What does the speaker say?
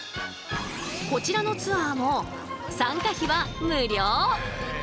こちらのツアーも参加費は無料。